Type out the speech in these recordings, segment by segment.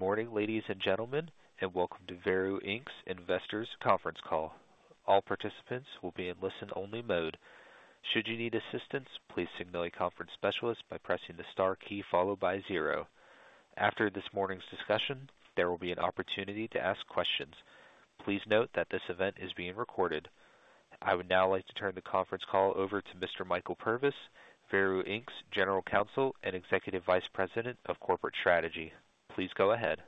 Good morning, ladies and gentlemen, and welcome to Veru Inc.'s Investors Conference Call. All participants will be in listen-only mode. Should you need assistance, please signal a conference specialist by pressing the star key followed by zero. After this morning's discussion, there will be an opportunity to ask questions. Please note that this event is being recorded. I would now like to turn the conference call over to Mr. Michael Purvis, Veru Inc.'s General Counsel and Executive Vice President of Corporate Strategy. Please go ahead.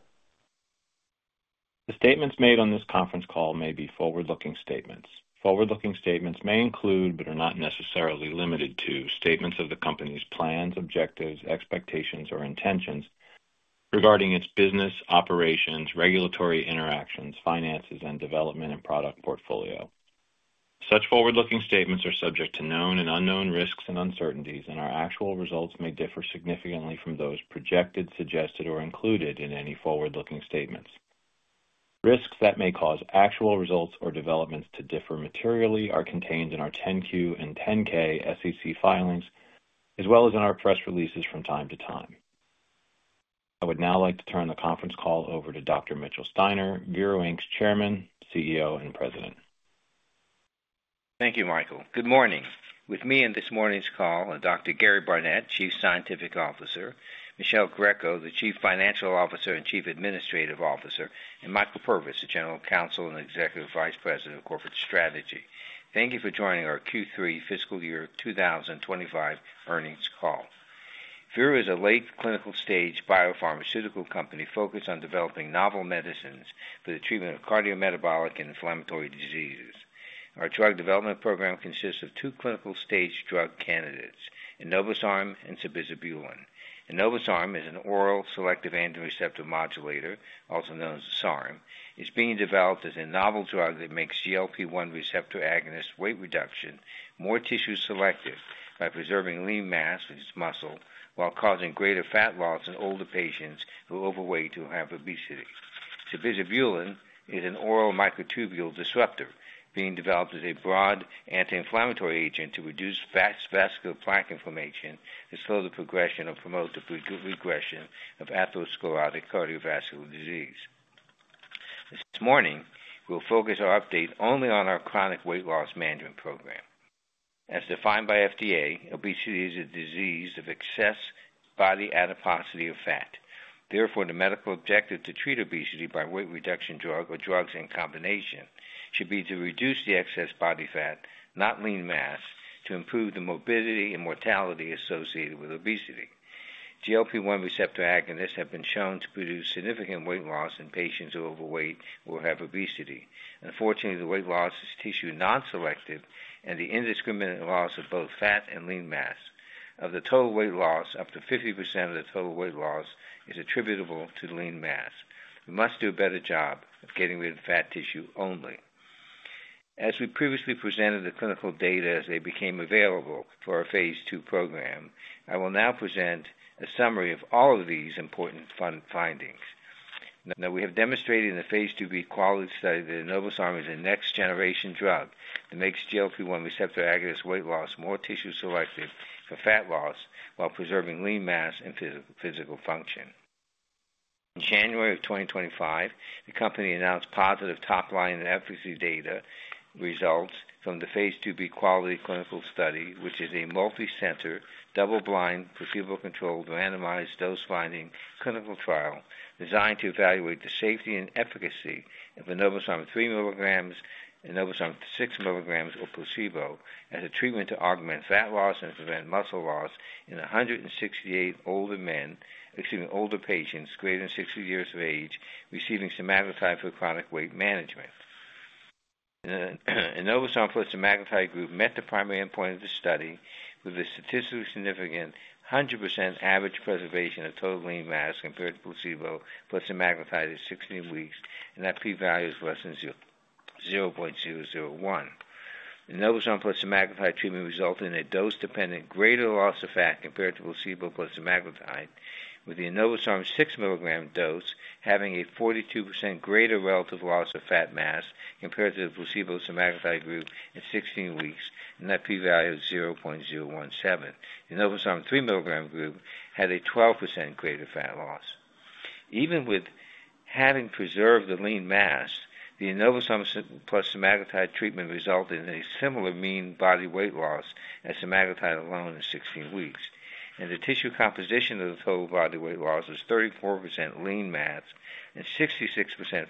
The statements made on this conference call may be forward-looking statements. Forward-looking statements may include, but are not necessarily limited to, statements of the company's plans, objectives, expectations, or intentions regarding its business operations, regulatory interactions, finances, and development and product portfolio. Such forward-looking statements are subject to known and unknown risks and uncertainties, and our actual results may differ significantly from those projected, suggested, or included in any forward-looking statements. Risks that may cause actual results or developments to differ materially are contained in our 10-Q and 10-K SEC filings, as well as in our press releases from time to time. I would now like to turn the conference call over to Dr. Mitchell Steiner, Veru Inc.'s Chairman, CEO, and President. Thank you, Michael. Good morning. With me in this morning's call are Dr. Gary Barnette, Chief Scientific Officer, Michele Greco, the Chief Financial Officer and Chief Administrative Officer, and Michael Purvis, the General Counsel and Executive Vice President of Corporate Strategy. Thank you for joining our Q3 fiscal year 2025 earnings call. Veru Inc. is a late clinical stage biopharmaceutical company focused on developing novel medicines for the treatment of cardiometabolic and inflammatory diseases. Our drug development program consists of two clinical stage drug candidates: Enobosarm and Sabizabulin. Enobosarm is an oral selective androgen receptor modulator, also known as SARM, and is being developed as a novel drug that makes GLP-1 receptor agonist weight reduction more tissue selective by preserving lean mass, which is muscle, while causing greater fat loss in older patients who are overweight or have obesity. Sabizabulin is an oral microtubule disruptor being developed as a broad anti-inflammatory agent to reduce fast vascular plaque inflammation and slow the progression or promote the regression of atherosclerotic cardiovascular disease. This morning, we'll focus our update only on our chronic weight loss management program. As defined by FDA, obesity is a disease of excess body adiposity or fat. Therefore, the medical objective to treat obesity by weight reduction drug or drugs in combination should be to reduce the excess body fat, not lean mass, to improve the morbidity and mortality associated with obesity. GLP-1 receptor agonists have been shown to produce significant weight loss in patients who are overweight or have obesity. Unfortunately, the weight loss is tissue non-selective and the indiscriminate loss of both fat and lean mass. Of the total weight loss, up to 50% of the total weight loss is attributable to lean mass. We must do a better job of getting rid of fat tissue only. As we previously presented the clinical data as they became available for our Phase II program, I will now present a summary of all of these important findings. Now, we have demonstrated in the Phase II-B QUALITY study that enobosarm is a next-generation drug that makes GLP-1 receptor agonist weight loss more tissue selective for fat loss while preserving lean mass and physical function. In January of 2025, the company announced positive top-line efficacy data results from the Phase II-B QUALITY clinical study, which is a multi-center, double-blind, placebo-controlled, randomized dose-finding clinical trial designed to evaluate the safety and efficacy of enobosarm 3 mg, enobosarm 6 mg, or placebo as a treatment to augment fat loss and prevent muscle loss in 168 older patients greater than 60 years of age receiving semaglutide for chronic weight management. Enobosarm + semaglutide group met the primary endpoint of the study with a statistically significant 100% average preservation of total lean mass compared to placebo + semaglutide at 16 weeks, and that p-value is less than 0.001. Enobosarm + semaglutide treatment resulted in a dose-dependent greater loss of fat compared to placebo + semaglutide, with the enobosarm 6 mg dose having a 42% greater relative loss of fat mass compared to the placebo semaglutide group at 16 weeks, and that p-value is 0.017. Enobosarm 3 mg group had a 12% greater fat loss. Even with having preserved the lean mass, the enobosarm + semaglutide treatment resulted in a similar mean body weight loss as semaglutide alone at 16 weeks. The tissue composition of the total body weight loss was 34% lean mass and 66%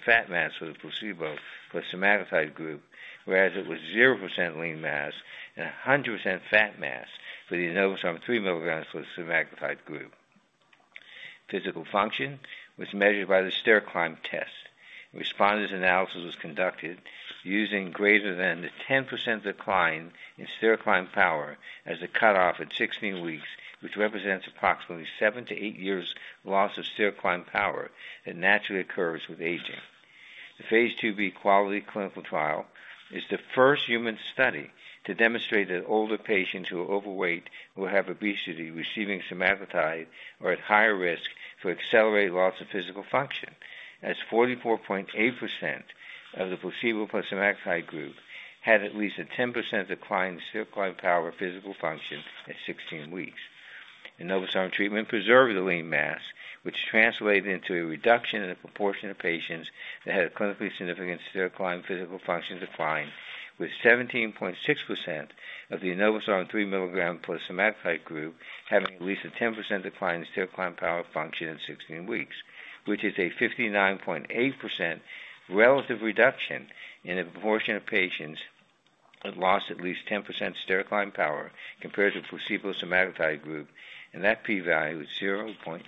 fat mass for the placebo + semaglutide group, whereas it was 0% lean mass and 100% fat mass for the enobosarm 3 mg + semaglutide group. Physical function was measured by the stair-climb test. Responders' analysis was conducted using greater than the 10% decline in stair-climb power as a cutoff at 16 weeks, which represents approximately seven to eight years' loss of stair-climb power that naturally occurs with aging. The Phase II-B QUALITY clinical trial is the first human study to demonstrate that older patients who are overweight or have obesity receiving semaglutide are at higher risk for accelerated loss of physical function, as 44.8% of the placebo + semaglutide group had at least a 10% decline in stair-climb power physical function at 16 weeks. Enobosarm treatment preserved the lean mass, which translated into a reduction in the proportion of patients that had a clinically significant stair-climb physical function decline, with 17.6% of the enobosarm 3 mg + semaglutide group having at least a 10% decline in stair-climb power function at 16 weeks, which is a 59.8% relative reduction in a proportion of patients that lost at least 10% stair-climb power compared to the placebo semaglutide group, and that p-value is 0.006.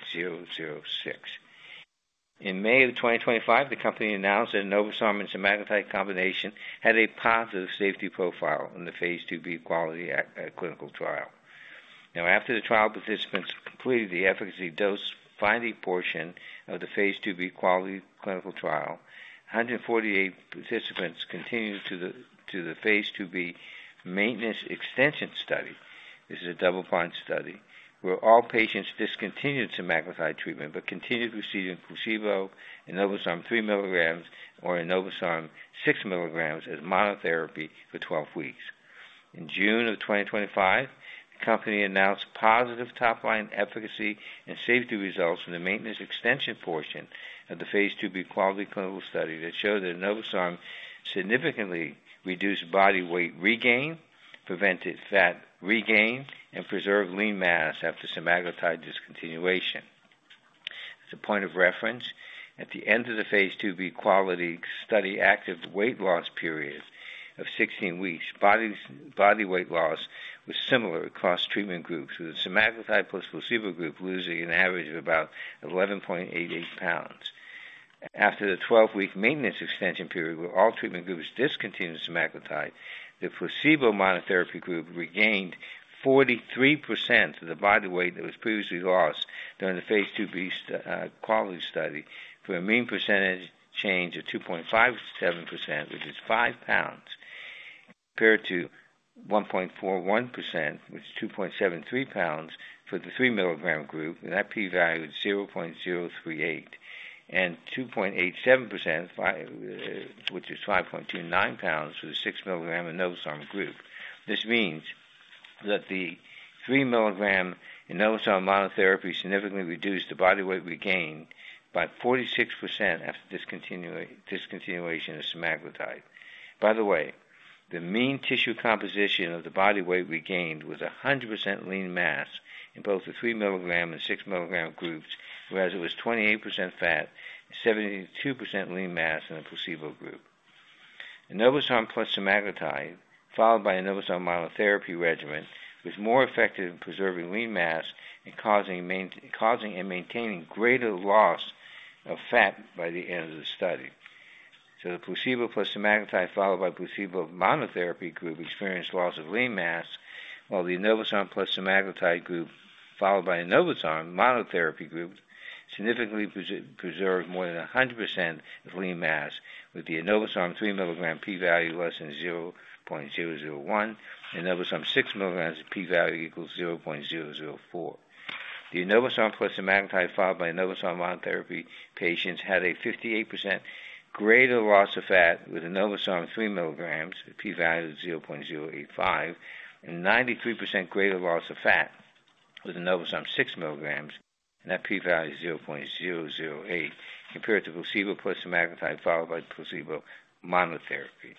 In May of 2025, the company announced that enobosarm and semaglutide combination had a positive safety profile in the Phase II-B QUALITY clinical trial. Now, after the trial participants completed the efficacy dose-finding portion of the Phase II-B QUALITY clinical trial, 148 participants continued to the Phase II-B maintenance extension study. This is a double-blind study where all patients discontinued semaglutide treatment but continued receiving placebo, enobosarm 3 mg, or enobosarm 6 mg as monotherapy for 12 weeks. In June of 2025, the company announced positive top-line efficacy and safety results in the maintenance extension portion of the Phase II-B QUALITY clinical study that showed that enobosarm significantly reduced body weight regain, prevented fat regain, and preserved lean mass after semaglutide discontinuation. As a point of reference, at the end of the Phase II-B QUALITY study active weight loss period of 16 weeks, body weight loss was similar across treatment groups, with the semaglutide + placebo group losing an average of about 11.88 pounds. After the 12-week maintenance extension period where all treatment groups discontinued semaglutide, the placebo monotherapy group regained 43% of the body weight that was previously lost during the Phase II-B QUALITY study for a mean percentage change of 2.57%, which is 5 pounds, compared to 1.41%, which is 2.73 pounds for the 3 mg group, and that p-value is 0.038, and 2.87%, which is 5.29 pounds for the 6 mg enobosarm group. This means that the 3 mg enobosarm monotherapy significantly reduced the body weight regain by 46% after discontinuation of semaglutide. By the way, the mean tissue composition of the body weight regained was 100% lean mass in both the 3 mg and 6 mg groups, whereas it was 28% fat and 72% lean mass in the placebo group. Enobosarm + semaglutide, followed by enobosarm monotherapy regimen, was more effective in preserving lean mass and causing and maintaining greater loss of fat by the end of the study. The placebo + semaglutide, followed by placebo monotherapy group, experienced loss of lean mass, while the enobosarm + semaglutide group, followed by enobosarm monotherapy group, significantly preserved more than 100% of lean mass, with the enobosarm 3 mg p-value less than 0.001 and enobosarm 6 mg p-value equals 0.004. The enobosarm + semaglutide, followed by enobosarm monotherapy patients, had a 58% greater loss of fat with enobosarm 3 mg, p-value of 0.085, and 93% greater loss of fat with enobosarm 6 mg, and that p-value is 0.008 compared to placebo + semaglutide, followed by placebo monotherapy.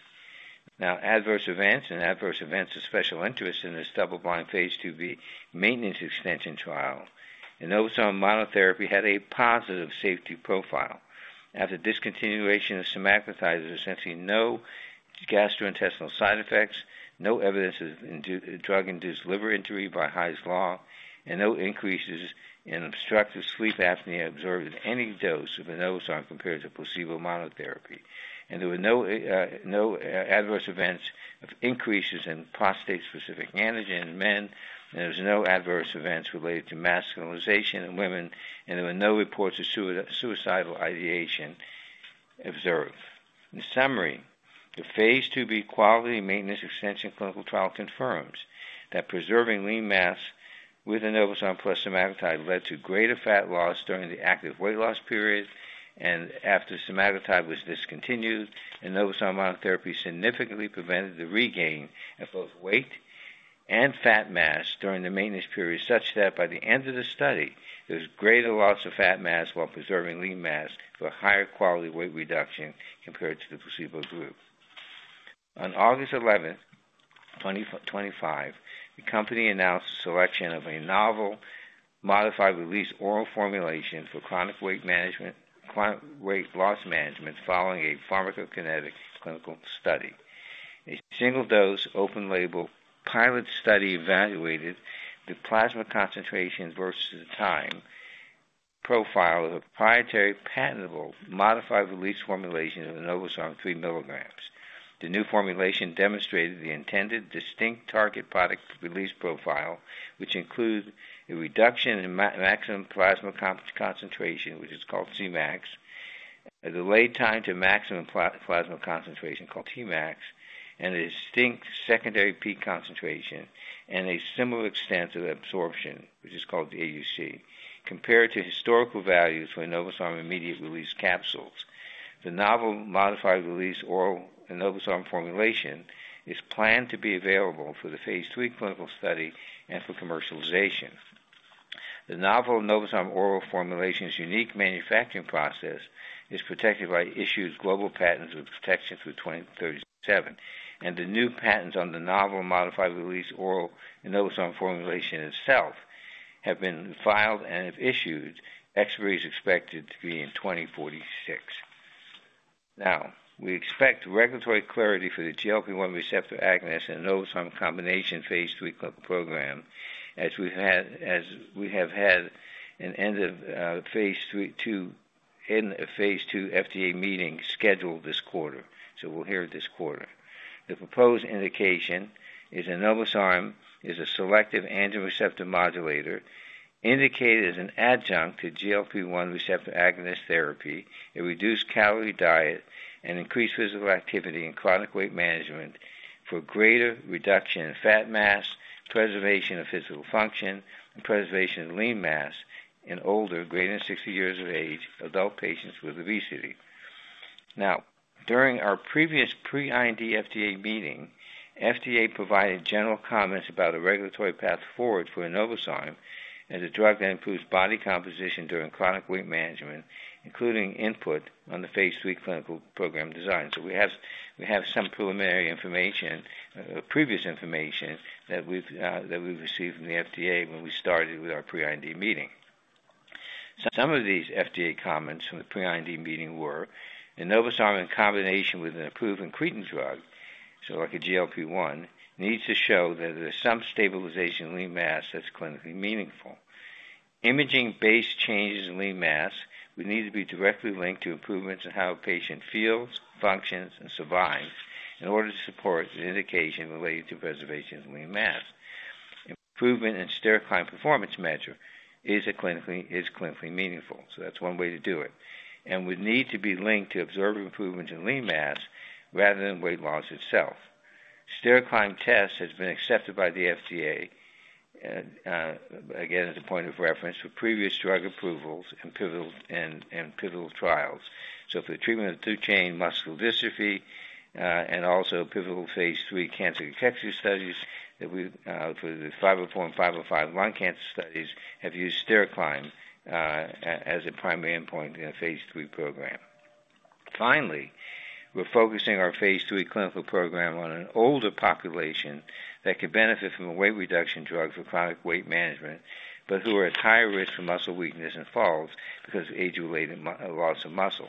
Adverse events and adverse events of special interest in this double-blind Phase II-B maintenance extension trial: enobosarm monotherapy had a positive safety profile. After discontinuation of semaglutide, there was essentially no gastrointestinal side effects, no evidence of drug-induced liver injury by Heislaw, and no increases in obstructive sleep apnea observed at any dose of enobosarm compared to placebo monotherapy. There were no adverse events of increases in prostate-specific antigen in men, and there were no adverse events related to masculinization in women, and there were no reports of suicidal ideation observed. In summary, the Phase II-B QUALITY maintenance extension clinical trial confirms that preserving lean mass with enobosarm + semaglutide led to greater fat loss during the active weight loss period, and after semaglutide was discontinued, enobosarm monotherapy significantly prevented the regain of both weight and fat mass during the maintenance period, such that by the end of the study, there was greater loss of fat mass while preserving lean mass for a higher quality weight reduction compared to the placebo group. On August 11, 2025, the company announced the selection of a novel modified-release oral formulation for chronic weight management, chronic weight loss management following a pharmacokinetic clinical study. A single dose open-label pilot study evaluated the plasma concentrations versus the time profile of a proprietary patentable modified-release formulation of enobosarm 3 mg. The new formulation demonstrated the intended distinct target product release profile, which includes a reduction in maximum plasma concentration, which is called Cmax, a delayed time to maximum plasma concentration called Tmax, and a distinct secondary peak concentration and a similar extent of absorption, which is called AUC, compared to historical values for enobosarm immediate release capsules. The novel modified-release oral enobosarm formulation is planned to be available for the Phase III clinical study and for commercialization. The novel enobosarm oral formulation's unique manufacturing process is protected by issued global patents with protection through 2037, and the new patents on the novel modified-release oral enobosarm formulation itself have been filed and have issued. Expiry is expected to be in 2046. We expect regulatory clarity for the GLP-1 receptor agonist and enobosarm combination Phase III clinical program as we have had an End-of-Phase-II FDA meeting scheduled this quarter. We will hear this quarter. The proposed indication is enobosarm is a selective androgen receptor modulator indicated as an adjunct to GLP-1 receptor agonist therapy, a reduced-calorie diet, and increased physical activity in chronic weight management for greater reduction in fat mass, preservation of physical function, and preservation of lean mass in older, greater than 60 years of age, adult patients with obesity. During our previous pre-IND FDA meeting, FDA provided general comments about a regulatory path forward for enobosarm as a drug that improves body composition during chronic weight management, including input on the Phase III clinical program design. We have some preliminary information, previous information that we've received from the FDA when we started with our pre-IND meeting. Some of these FDA comments from the pre-IND meeting were enobosarm in combination with an approved incretin drug, so like a GLP-1, needs to show that there's some stabilization in lean mass that's clinically meaningful. Imaging-based changes in lean mass would need to be directly linked to improvements in how a patient feels, functions, and survives in order to support the indication related to preservation of lean mass. Improvement in stair-climb performance measure is clinically meaningful. That's one way to do it and would need to be linked to observed improvements in lean mass rather than weight loss itself. Stair-climb test has been accepted by the FDA, again, as a point of reference for previous drug approvals and pivotal trials. For the treatment of Duchenne muscular dystrophy, and also pivotal Phase III cancer detection studies that we, for the 504 and 505 lung cancer studies, have used stair-climb as a primary endpoint in a Phase III program. Finally, we're focusing our Phase III clinical program on an older population that could benefit from a weight reduction drug for chronic weight management, but who are at higher risk for muscle weakness and falls because of age-related loss of muscle.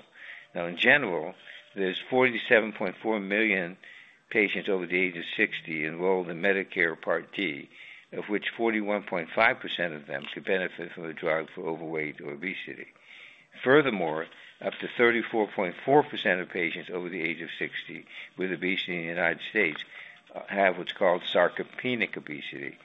In general, there's 47.4 million patients over the age of 60 enrolled in Medicare Part D, of which 41.5% of them could benefit from a drug for overweight or obesity. Furthermore, up to 34.4% of patients over the age of 60 with obesity in the United States have what's called sarcopenic obesity.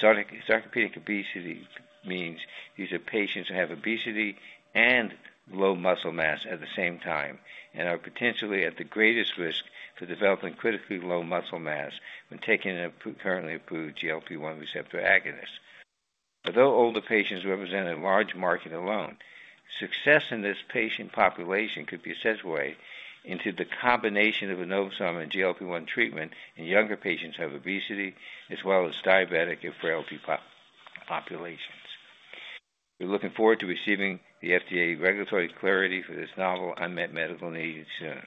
Sarcopenic obesity means these are patients who have obesity and low muscle mass at the same time and are potentially at the greatest risk for developing critically low muscle mass when taking a currently approved GLP-1 receptor agonist. Although older patients represent a large market alone, success in this patient population could be segued into the combination of enobosarm and GLP-1 treatment in younger patients who have obesity as well as diabetic and frailty populations. We're looking forward to receiving the FDA regulatory clarity for this novel unmet medical need soon.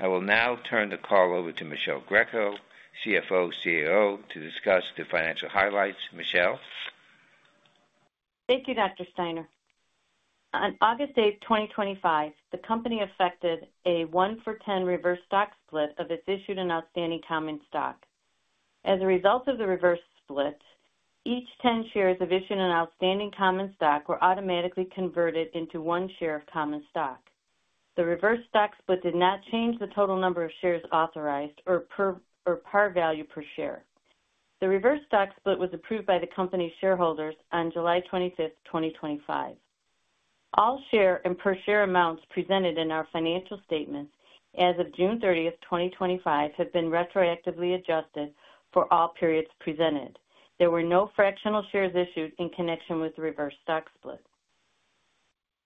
I will now turn the call over to Michele Greco, CFO/CAO, to discuss the financial highlights. Michele. Thank you, Dr. Steiner. On August 8th, 2025, the company effected a one-for-ten reverse stock split of its issued and outstanding common stock. As a result of the reverse split, each 10 shares of issued and outstanding common stock were automatically converted into one share of common stock. The reverse stock split did not change the total number of shares authorized or par value per share. The reverse stock split was approved by the company's shareholders on July 25th, 2025. All share and per-share amounts presented in our financial statements as of June 30th, 2025 have been retroactively adjusted for all periods presented. There were no fractional shares issued in connection with the reverse stock split.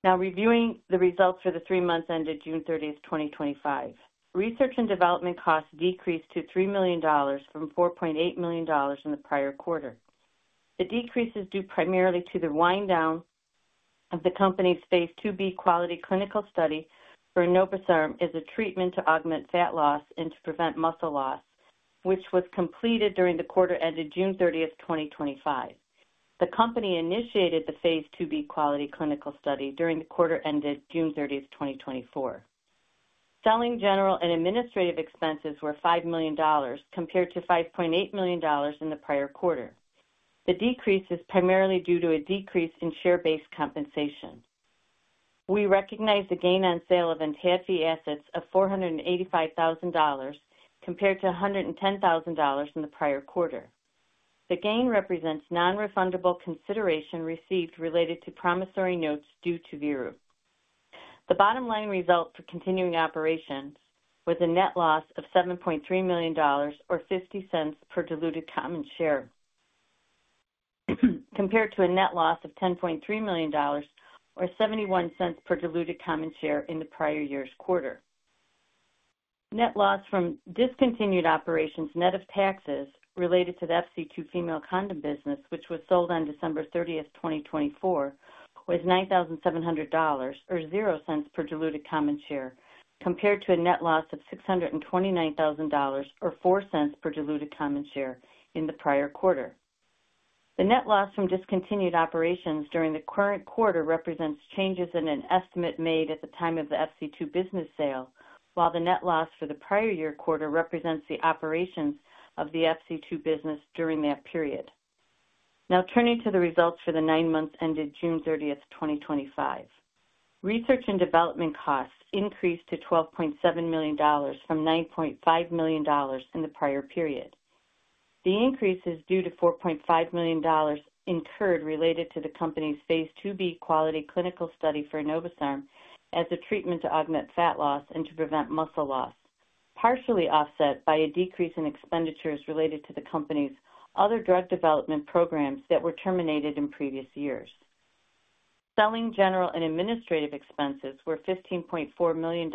Now, reviewing the results for the three months ended June 30th, 2025, research and development costs decreased to $3 million from $4.8 million in the prior quarter. The decrease is due primarily to the wind-down of the company's Phase II-B QUALITY clinical study for enobosarm as a treatment to augment fat loss and to prevent muscle loss, which was completed during the quarter ended June 30th, 2025. The company initiated the Phase II-B QUALITY clinical study during the quarter ended June 30th, 2024. Selling, general, and administrative expenses were $5 million compared to $5.8 million in the prior quarter. The decrease is primarily due to a decrease in share-based compensation. We recognized the gain on sale of ENTADFI assets of $485,000 compared to $110,000 in the prior quarter. The gain represents non-refundable consideration received related to promissory notes due to Veru. The bottom line result for continuing operations was a net loss of $7.3 million or $0.50 per diluted common share compared to a net loss of $10.3 million or $0.71 per diluted common share in the prior year's quarter. Net loss from discontinued operations, net of taxes related to the FC2 Female Condom business, which was sold on December 30th, 2024, was $9,700 or $0.00 per diluted common share compared to a net loss of $629,000 or $0.04 per diluted common share in the prior quarter. The net loss from discontinued operations during the current quarter represents changes in an estimate made at the time of the FC2 business sale, while the net loss for the prior year quarter represents the operations of the FC2 business during that period. Now, turning to the results for the nine months ended June 30, 2025, research and development costs increased to $12.7 million from $9.5 million in the prior period. The increase is due to $4.5 million incurred related to the company's Phase II-B QUALITY clinical study for enobosarm as a treatment to augment fat loss and to prevent muscle loss, partially offset by a decrease in expenditures related to the company's other drug development programs that were terminated in previous years. Selling, general, and administrative expenses were $15.4 million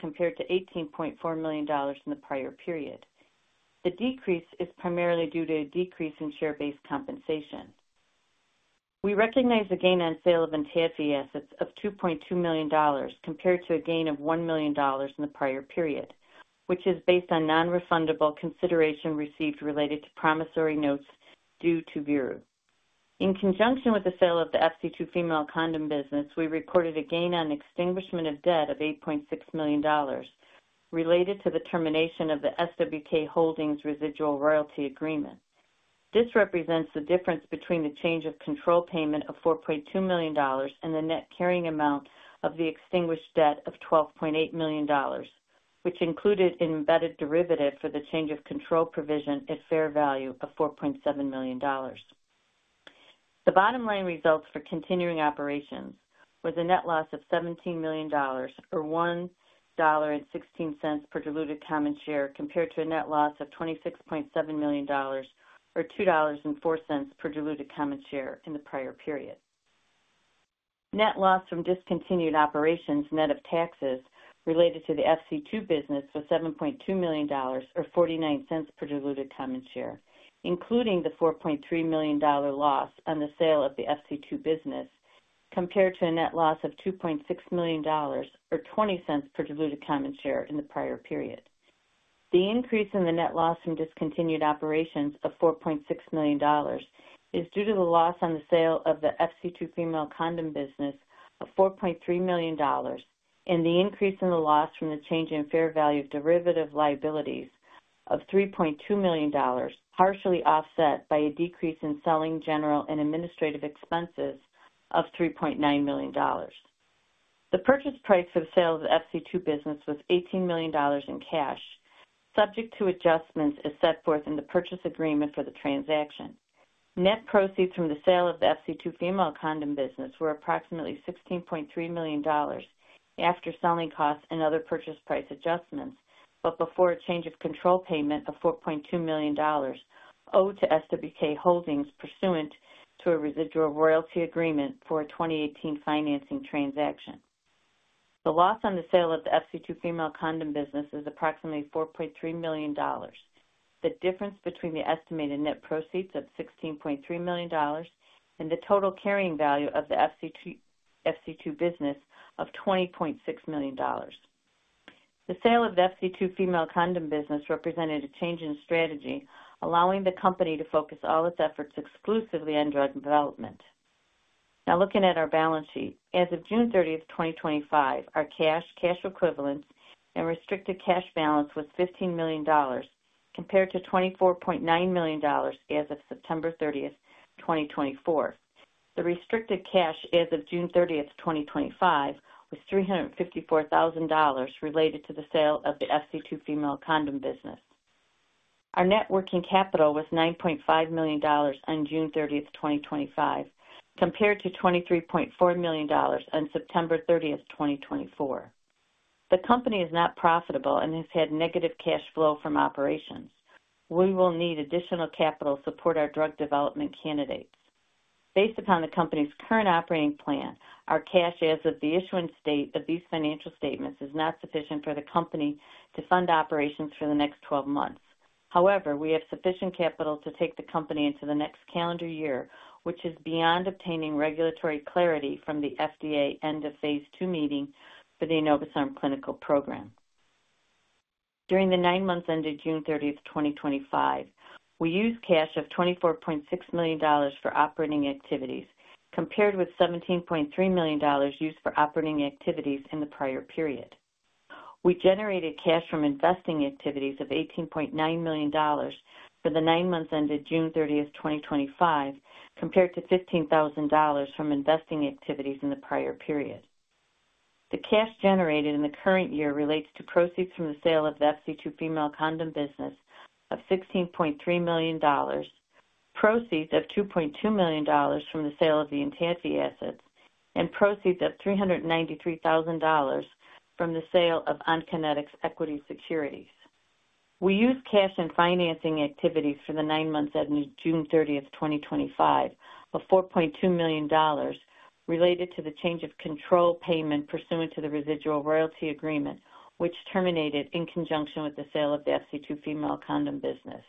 compared to $18.4 million in the prior period. The decrease is primarily due to a decrease in share-based compensation. We recognize a gain on sale of ENTADFI assets of $2.2 million compared to a gain of $1 million in the prior period, which is based on non-refundable consideration received related to promissory notes due to Veru Inc. In conjunction with the sale of the FC2 Female Condom business, we reported a gain on extinguishment of debt of $8.6 million related to the termination of the SWK Holdings residual royalty agreement. This represents the difference between the change of control payment of $4.2 million and the net carrying amount of the extinguished debt of $12.8 million, which included an embedded derivative for the change of control provision at fair value of $4.7 million. The bottom line results for continuing operations were the net loss of $17 million or $1.16 per diluted common share compared to a net loss of $26.7 million or $2.04 per diluted common share in the prior period. Net loss from discontinued operations, net of taxes related to the FC2 business, was $7.2 million or $0.49 per diluted common share, including the $4.3 million loss on the sale of the FC2 business compared to a net loss of $2.6 million or $0.20 per diluted common share in the prior period. The increase in the net loss from discontinued operations of $4.6 million is due to the loss on the sale of the FC2 Female Condom business of $4.3 million and the increase in the loss from the change in fair value of derivative liabilities of $3.2 million, partially offset by a decrease in selling, general, and administrative expenses of $3.9 million. The purchase price for the sale of the FC2 business was $18 million in cash, subject to adjustments as set forth in the purchase agreement for the transaction. Net proceeds from the sale of the FC2 Female Condom business were approximately $16.3 million after selling costs and other purchase price adjustments, but before a change of control payment of $4.2 million owed to SWK Holdings pursuant to a residual royalty agreement for a 2018 financing transaction. The loss on the sale of the FC2 Female Condom business is approximately $4.3 million. The difference between the estimated net proceeds of $16.3 million and the total carrying value of the FC2 business of $20.6 million. The sale of the FC2 Female Condom business represented a change in strategy, allowing the company to focus all its efforts exclusively on drug development. Now, looking at our balance sheet, as of June 30, 2025, our cash, cash equivalents, and restricted cash balance was $15 million compared to $24.9 million as of September 30, 2024. The restricted cash as of June 30, 2025, was $354,000 related to the sale of the FC2 Female Condom business. Our net working capital was $9.5 million on June 30, 2025, compared to $23.4 million on September 30, 2024. The company is not profitable and has had negative cash flow from operations. We will need additional capital to support our drug development candidates. Based upon the company's current operating plan, our cash as of the issuance date of these financial statements is not sufficient for the company to fund operations for the next 12 months. However, we have sufficient capital to take the company into the next calendar year, which is beyond obtaining regulatory clarity from the FDA End-of-Phase-II meeting for the enobosarm clinical program. During the nine months ended June 30, 2025, we used cash of $24.6 million for operating activities, compared with $17.3 million used for operating activities in the prior period. We generated cash from investing activities of $18.9 million for the nine months ended June 30, 2025, compared to $15,000 from investing activities in the prior period. The cash generated in the current year relates to proceeds from the sale of the FC2 Female Condom business of $16.3 million, proceeds of $2.2 million from the sale of the ENTADFI assets, and proceeds of $393,000 from the sale of Onconetix Equity Securities. We used cash in financing activities for the nine months ended June 30, 2025, of $4.2 million related to the change of control payment pursuant to the residual royalty agreement, which terminated in conjunction with the sale of the FC2 Female Condom business.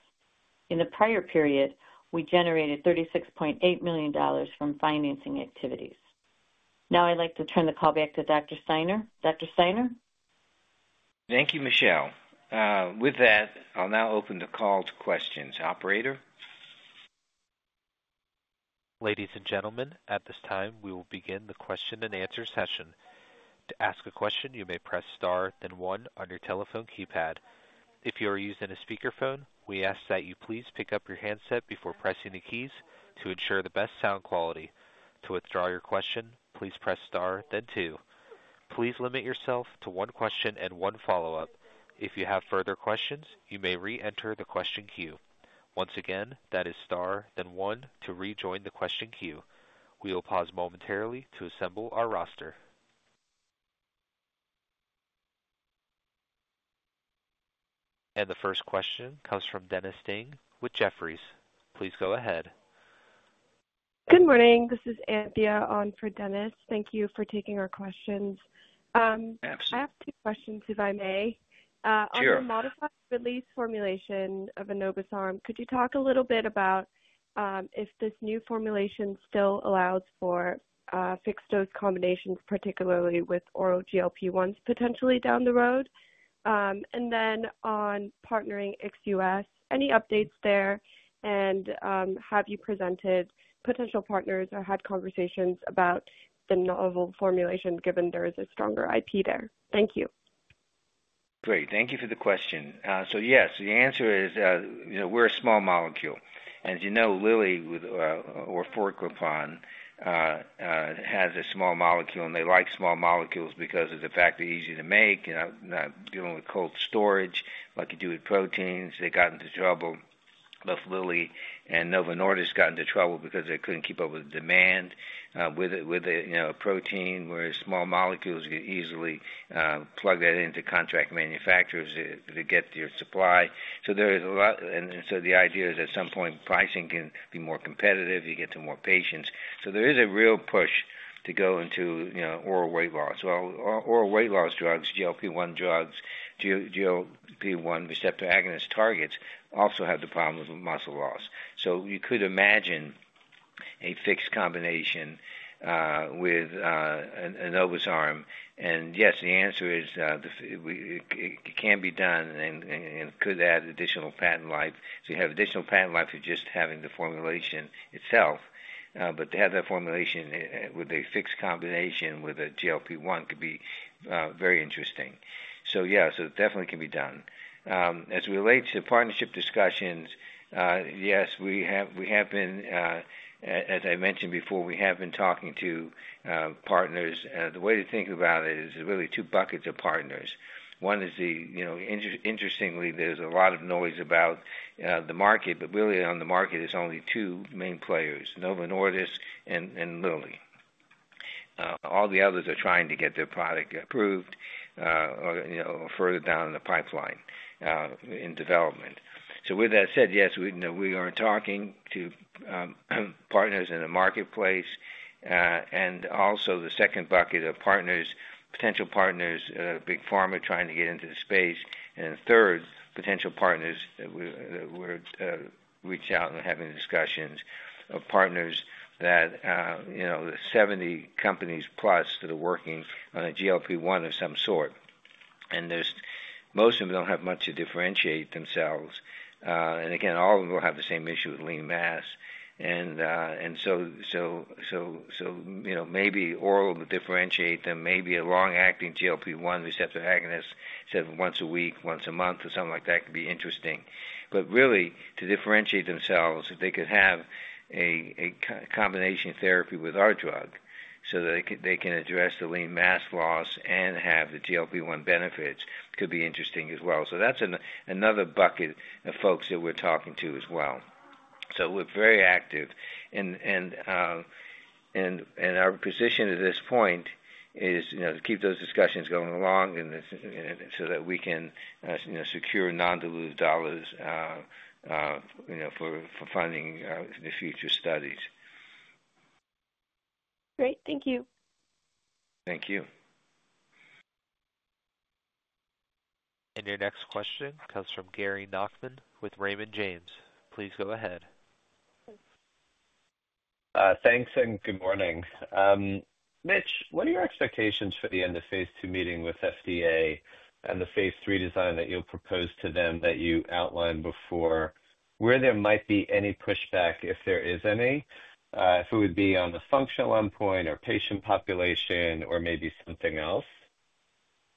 In the prior period, we generated $36.8 million from financing activities. Now, I'd like to turn the call back to Dr. Steiner. Dr. Steiner? Thank you, Michele. With that, I'll now open the call to questions. Operator? Ladies and gentlemen, at this time, we will begin the question and answer session. To ask a question, you may press star, then one on your telephone keypad. If you are using a speakerphone, we ask that you please pick up your handset before pressing the keys to ensure the best sound quality. To withdraw your question, please press star, then two. Please limit yourself to one question and one follow-up. If you have further questions, you may re-enter the question queue. Once again, that is star, then one to rejoin the question queue. We will pause momentarily to assemble our roster. The first question comes from Dennis Ding with Jefferies LLC. Please go ahead. Good morning. This is Anthea on for Dennis. Thank you for taking our questions. Absolutely. I have two questions, if I may. Sure. On the modified-release oral formulation of enobosarm, could you talk a little bit about if this new formulation still allows for fixed dose combinations, particularly with oral GLP-1s, potentially down the road? On partnering XUS, any updates there? Have you presented potential partners or had conversations about the novel formulation given there is a stronger IP there? Thank you. Great. Thank you for the question. Yes, the answer is, you know, we're a small molecule. As you know, Lilly or Forglipine has a small molecule, and they like small molecules because of the fact they're easy to make and not dealing with cold storage like you do with proteins. They got into trouble, both Lilly and Novo Nordisk got into trouble because they couldn't keep up with the demand with a protein, whereas small molecules could easily plug that into contract manufacturers to get your supply. There is a lot, and the idea is at some point pricing can be more competitive. You get to more patients. There is a real push to go into oral weight loss. Oral weight loss drugs, GLP-1 drugs, GLP-1 receptor agonist targets also have the problem of muscle loss. You could imagine a fixed combination with enobosarm. Yes, the answer is it can be done and could add additional patent life. You have additional patent life of just having the formulation itself. To have that formulation with a fixed combination with a GLP-1 could be very interesting. It definitely can be done. As it relates to partnership discussions, yes, we have been, as I mentioned before, we have been talking to partners. The way to think about it is really two buckets of partners. One is the, you know, interestingly, there's a lot of noise about the market, but really on the market, there's only two main players: Novo Nordisk and Lilly. All the others are trying to get their product approved or further down in the pipeline in development. With that said, yes, we are talking to partners in the marketplace. Also, the second bucket of partners, potential partners, Big Pharma trying to get into the space, and third, potential partners that we're reaching out and having discussions of partners that, you know, the 70+ companies that are working on a GLP-1 of some sort. Most of them don't have much to differentiate themselves. Again, all of them will have the same issue with lean mass. Maybe oral would differentiate them. Maybe a long-acting GLP-1 receptor agonist instead of once a week, once a month, or something like that could be interesting. To differentiate themselves, if they could have a combination therapy with our drug so that they can address the lean mass loss and have the GLP-1 benefits, could be interesting as well. That's another bucket of folks that we're talking to as well. We're very active. Our position at this point is to keep those discussions going along and so that we can, you know, secure non-dilutive dollars, you know, for funding the future studies. Great. Thank you. Thank you. Your next question comes from Gary Nachman with Raymond James. Please go ahead. Thanks, and good morning. Mitch, what are your expectations for the End-of-Phase-II meeting with FDA and the Phase III design that you'll propose to them that you outlined before, where there might be any pushback if there is any, if it would be on the functional endpoint or patient population or maybe something else?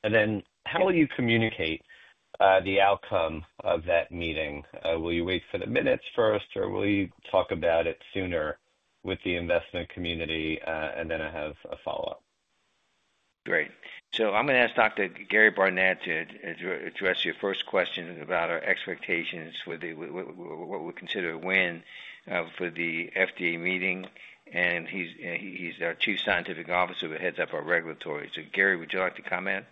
How will you communicate the outcome of that meeting? Will you wait for the minutes first, or will you talk about it sooner with the investment community? I have a follow-up. Great. I'm going to ask Dr. Gary Barnette to address your first question about our expectations with what we consider a win for the FDA meeting. He's our Chief Scientific Officer that heads up our regulatory. Gary, would you like to comment?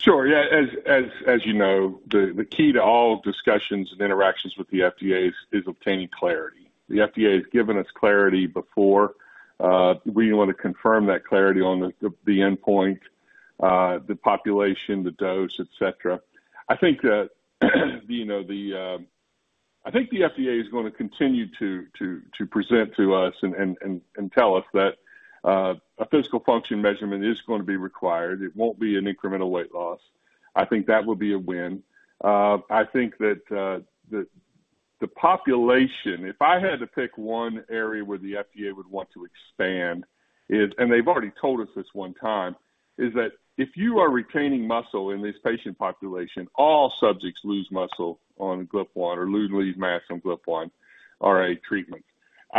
Sure. As you know, the key to all discussions and interactions with the FDA is obtaining clarity. The FDA has given us clarity before. We want to confirm that clarity on the endpoint, the population, the dose, etc. I think the FDA is going to continue to present to us and tell us that a physical function measurement is going to be required. It won't be an incremental weight loss. I think that would be a win. I think that the population, if I had to pick one area where the FDA would want to expand, and they've already told us this one time, is that if you are retaining muscle in this patient population, all subjects lose muscle on a GLP-1 or lose mass on GLP-1 or a treatment.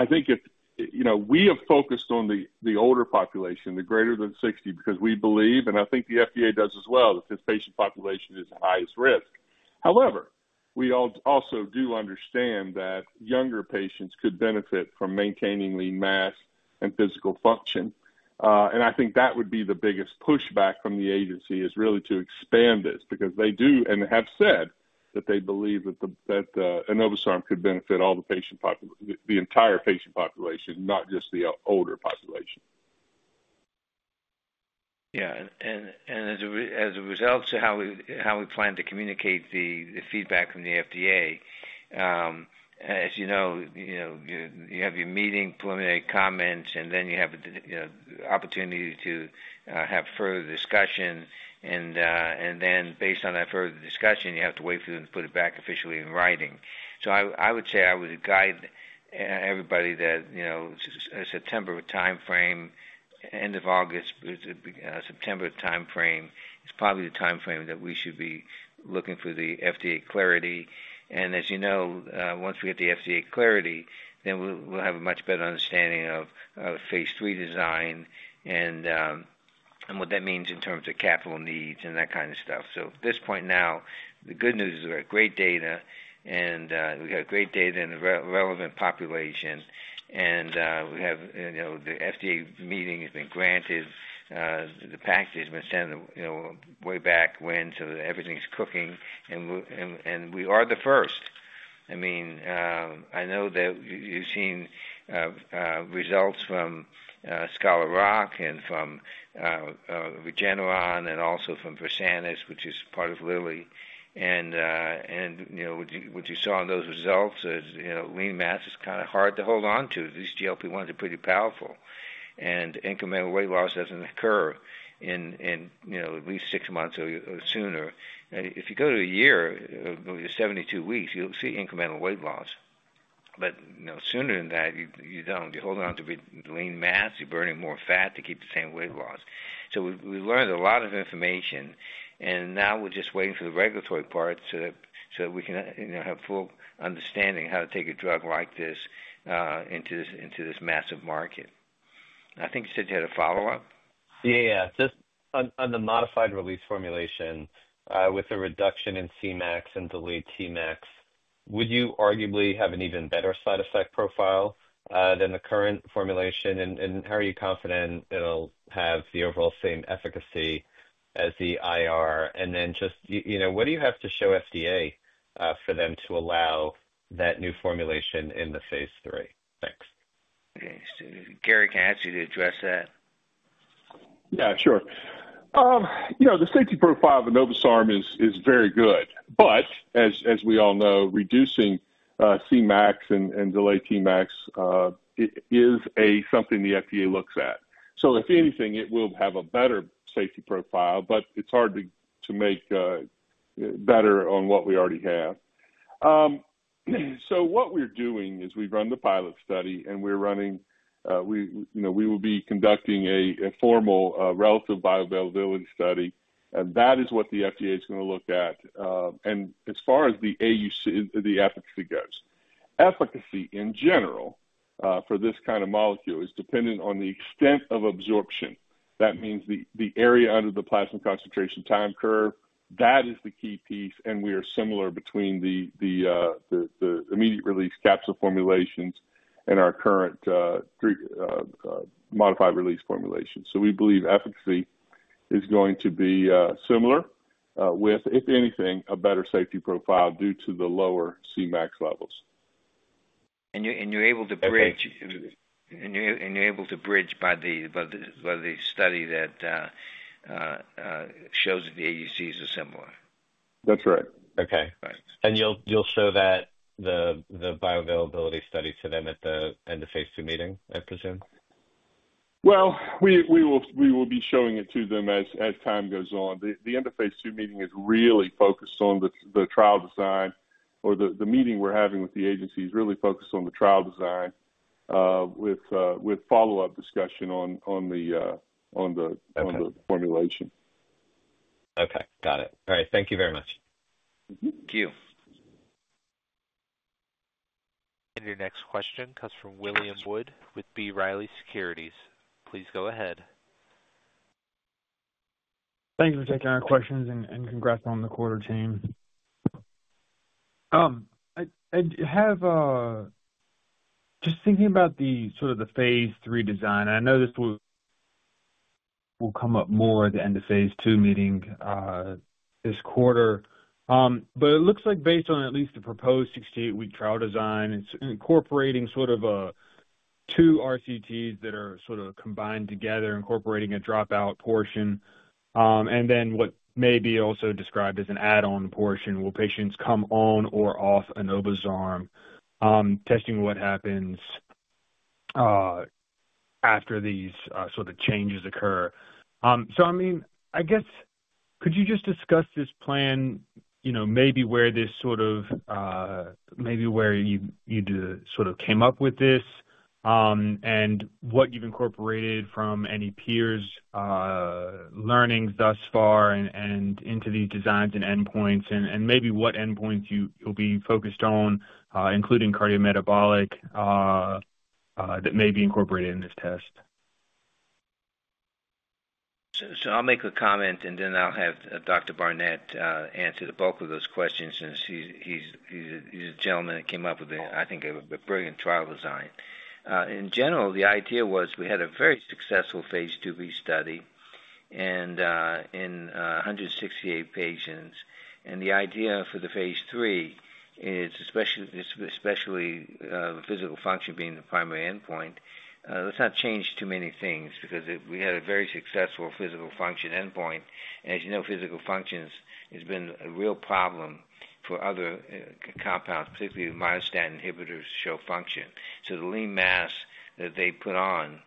We have focused on the older population, the greater than 60, because we believe, and I think the FDA does as well, that this patient population is the highest risk. However, we also do understand that younger patients could benefit from maintaining lean mass and physical function. I think that would be the biggest pushback from the agency, to really expand this because they do and have said that they believe that enobosarm could benefit all the patient population, the entire patient population, not just the older population. Yeah. As a result to how we plan to communicate the feedback from the FDA, as you know, you have your meeting, preliminary comments, and then you have the opportunity to have further discussion. Based on that further discussion, you have to wait for them to put it back officially in writing. I would say I would guide everybody that, you know, a September timeframe, end of August, September timeframe, it's probably the timeframe that we should be looking for the FDA clarity. As you know, once we get the FDA clarity, then we'll have a much better understanding of Phase III design and what that means in terms of capital needs and that kind of stuff. At this point now, the good news is we've got great data, and we've got great data in the relevant population. We have, you know, the FDA meeting has been granted. The package has been sent way back when so that everything's cooking. We are the first. I mean, I know that you've seen results from Scholaroc and from Regeneron and also from Versanis, which is part of Lilly. You know what you saw in those results is lean mass is kind of hard to hold on to. These GLP-1s are pretty powerful. Incremental weight loss doesn't occur in, you know, at least six months or sooner. If you go to a year, you're 72 weeks, you'll see incremental weight loss. You know sooner than that, you don't. You're holding on to lean mass. You're burning more fat to keep the same weight loss. We learned a lot of information. Now we're just waiting for the regulatory parts so that we can have full understanding of how to take a drug like this into this massive market. I think you said you had a follow-up. Yeah. Just on the modified-release oral formulation with a reduction in Cmax and delayed Tmax, would you arguably have an even better side effect profile than the current formulation? How are you confident it'll have the overall same efficacy as the IR? What do you have to show FDA for them to allow that new formulation in the Phase III? Thanks. Okay, Gary, can I ask you to address that? Yeah, sure. You know, the safety profile of enobosarm is very good. As we all know, reducing Cmax and delayed Tmax is something the FDA looks at. If anything, it will have a better safety profile, but it's hard to make better on what we already have. What we're doing is we've run the pilot study, and we will be conducting a formal relative bioavailability study. That is what the FDA is going to look at. As far as the efficacy goes, efficacy in general for this kind of molecule is dependent on the extent of absorption. That means the area under the plasma concentration time curve, that is the key piece. We are similar between the immediate release capsule formulations and our current modified-release formulations. We believe efficacy is going to be similar with, if anything, a better safety profile due to the lower Cmax levels. You're able to bridge by the study that shows that the AUCs are similar. That's right. Okay. You'll show that the bioavailability study to them at the End-of-Phase-II meeting, I presume? We will be showing it to them as time goes on. The End-of-Phase-II meeting is really focused on the trial design, or the meeting we're having with the agency is really focused on the trial design with follow-up discussion on the formulation. Okay. Got it. All right, thank you very much. Thank you. Your next question comes from William Wood with B. Riley Securities. Please go ahead. Thank you for taking our questions and congrats on the quarter, team. I have just thinking about the sort of the Phase II design. I know this will come up more at the End-of-Phase-II meeting this quarter. It looks like based on at least the proposed 68-week trial design, it's incorporating sort of two RCTs that are sort of combined together, incorporating a dropout portion. What may be also described as an add-on portion, will patients come on or off enobosarm? Testing what happens after these sort of changes occur. I guess, could you just discuss this plan, maybe where this sort of, maybe where you sort of came up with this and what you've incorporated from any peers' learnings thus far and into these designs and endpoints? Maybe what endpoints you'll be focused on, including cardiometabolic, that may be incorporated in this test? I'll make a comment, and then I'll have Dr. Barnette answer the bulk of those questions since he's a gentleman that came up with, I think, a brilliant trial design. In general, the idea was we had a very successful Phase II-B study in 168 patients. The idea for the Phase III is, especially with physical function being the primary endpoint, let's not change too many things because we had a very successful physical function endpoint. As you know, physical function has been a real problem for other compounds, particularly myosin inhibitors show function. The lean mass that they put on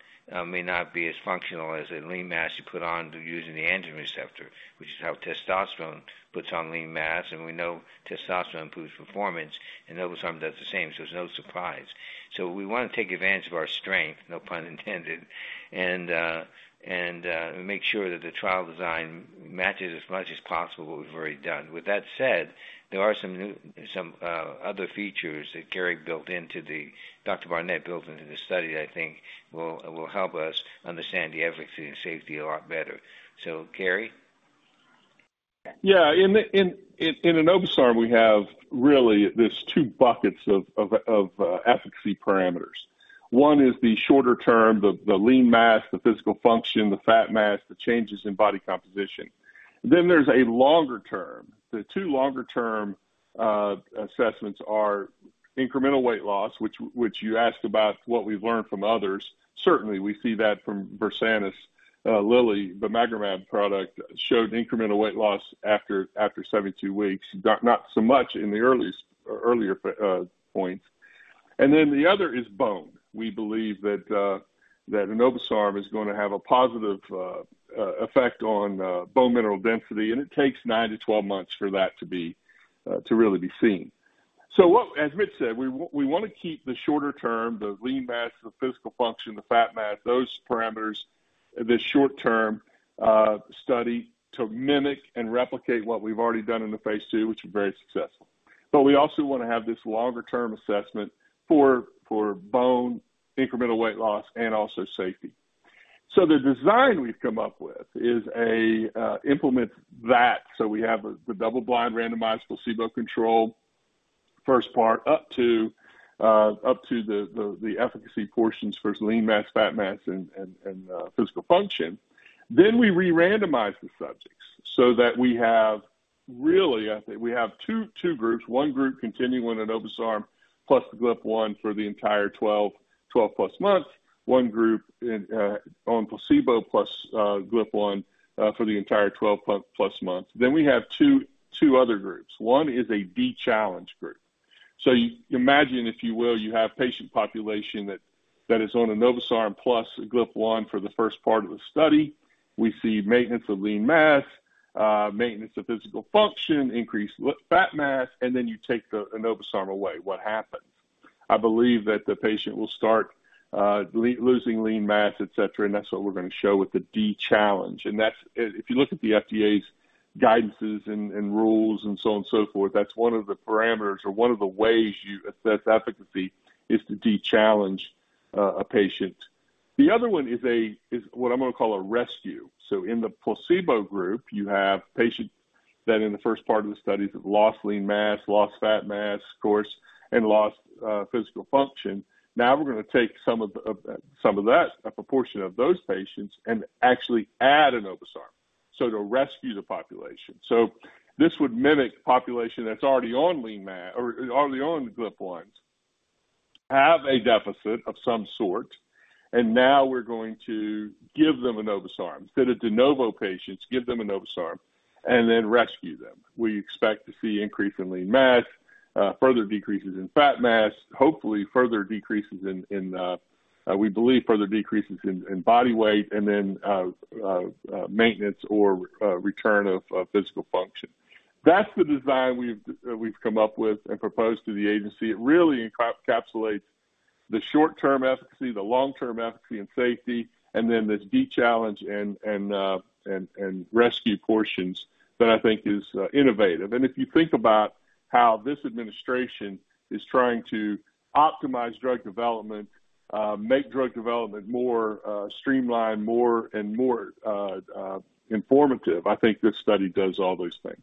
may not be as functional as a lean mass you put on using the androgen receptor, which is how testosterone puts on lean mass. We know testosterone improves performance, and enobosarm does the same, so it's no surprise. We want to take advantage of our strength, no pun intended, and make sure that the trial design matches as much as possible what we've already done. With that said, there are some other features that Dr. Barnette built into the study that I think will help us understand the efficacy and safety a lot better. Gary? Yeah. In enobosarm, we have really these two buckets of efficacy parameters. One is the shorter term, the lean mass, the physical function, the fat mass, the changes in body composition. Then there's a longer term. The two longer-term assessments are incremental weight loss, which you asked about what we've learned from others. Certainly, we see that from Versanis. Lilly, the bimagrumab product, showed incremental weight loss after 72 weeks, not so much in the earlier points. The other is bone. We believe that enobosarm is going to have a positive effect on bone mineral density, and it takes 9-12 months for that to really be seen. As Mitch said, we want to keep the shorter term, the lean mass, the physical function, the fat mass, those parameters in this short-term study to mimic and replicate what we've already done in the Phase II, which is very successful. We also want to have this longer-term assessment for bone, incremental weight loss, and also safety. The design we've come up with is to implement that. We have the double-blind randomizable, seed load control, first part, up to the efficacy portions for lean mass, fat mass, and physical function. We re-randomize the subjects so that we have really, I think we have two groups. One group continuing on enobosarm + the GLP-1 for the entire 12+ months. One group on placebo + GLP-1 for the entire 12+ months. We have two other groups. One is a de-challenge group. You imagine, if you will, you have a patient population that is on enobosarm + GLP-1 for the first part of the study. We see maintenance of lean mass, maintenance of physical function, increased fat mass, and then you take the enobosarm away. What happens? I believe that the patient will start losing lean mass, etc., and that's what we're going to show with the de-challenge. If you look at the FDA's guidances and rules and so on and so forth, that's one of the parameters or one of the ways you assess efficacy is to de-challenge a patient. The other one is what I'm going to call a rescue. In the placebo group, you have patients that in the first part of the study have lost lean mass, lost fat mass, of course, and lost physical function. Now we're going to take some of that, a proportion of those patients, and actually add enobosarm to rescue the population. This would mimic a population that's already on lean mass or already on GLP-1s, have a deficit of some sort, and now we're going to give them enobosarm. Instead of de novo patients, give them enobosarm and then rescue them. We expect to see an increase in lean mass, further decreases in fat mass, hopefully further decreases in, we believe, further decreases in body weight, and then maintenance or return of physical function. That's the design we've come up with and proposed to the agency. It really encapsulates the short-term efficacy, the long-term efficacy, and safety, and then this de-challenge and rescue portions that I think is innovative. If you think about how this administration is trying to optimize drug development, make drug development more streamlined, more and more informative, I think this study does all those things.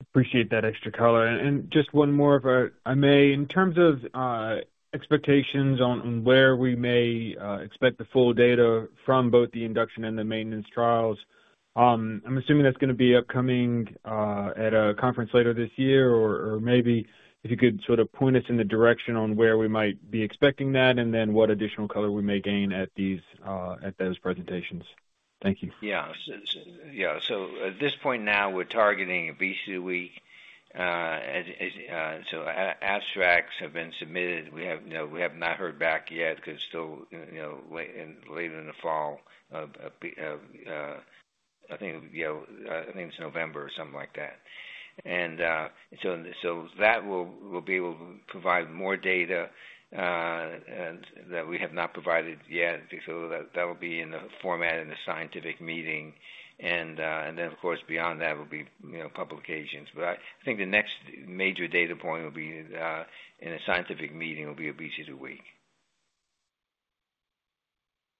Appreciate that extra color. Just one more if I may, in terms of expectations on where we may expect the full data from both the induction and the maintenance trials, I'm assuming that's going to be upcoming at a conference later this year. Maybe if you could sort of point us in the direction on where we might be expecting that and then what additional color we may gain at those presentations. Thank you. Yeah. At this point now, we're targeting Obesity Week. Abstracts have been submitted. We have not heard back yet because it's still later in the fall. I think it's November or something like that. That will be able to provide more data that we have not provided yet. That will be in the format in a scientific meeting. Of course, beyond that, it will be publications. I think the next major data point will be in a scientific meeting, will be Obesity Week.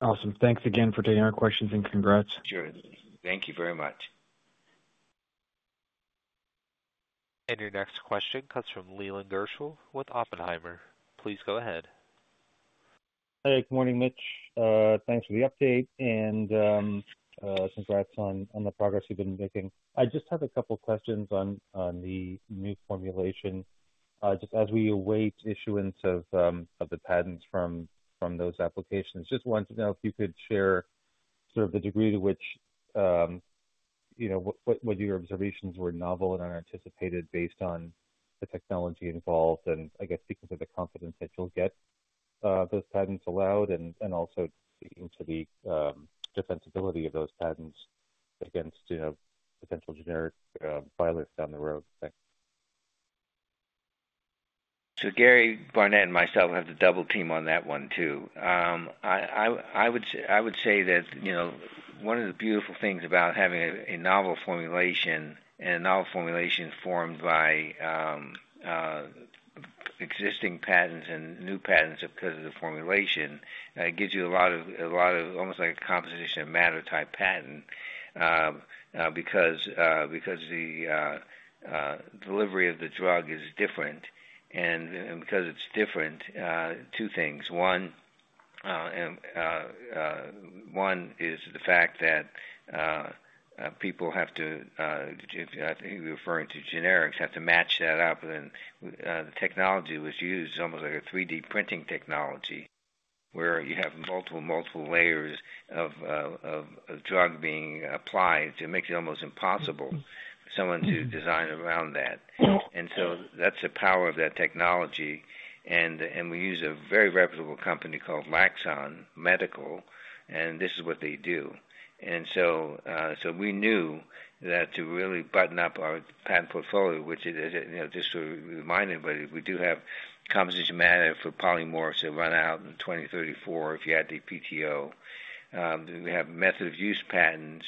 Awesome. Thanks again for taking our questions and congrats. Sure, thank you very much. Your next question comes from Leland Gershell with Oppenheimer & Co. Inc. Please go ahead. All right. Good morning, Mitch. Thanks for the update and congrats on the progress you've been making. I just have a couple of questions on the new formulation. As we await issuance of the patents from those applications, I just want to know if you could share the degree to which your observations were novel and unanticipated based on the technology involved, and because of the confidence that you'll get those patents allowed, also speaking to the defensibility of those patents against potential generic violence down the road. Thanks. Gary Barnette and myself have the double team on that one too. I would say that one of the beautiful things about having a novel formulation and a novel formulation formed by existing patents and new patents because of the formulation, it gives you a lot of, almost like a composition of matter type patent because the delivery of the drug is different. Because it's different, two things. One is the fact that people have to, I think you're referring to generics, have to match that up. The technology used is almost like a 3D printing technology where you have multiple layers of a drug being applied. It makes it almost impossible for someone to design around that. That's the power of that technology. We use a very reputable company called Maxon Medical, and this is what they do. We knew that to really button up our patent portfolio, which is just to remind everybody, we do have composition of matter for polymorphs that run out in 2034 if you add the PTO. We have method-of-use patents